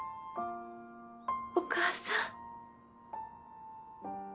お義母さん